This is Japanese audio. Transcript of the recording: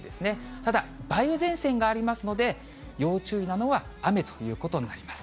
ただ、梅雨前線がありますので、要注意なのは雨ということになります。